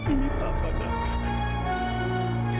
ini papa nak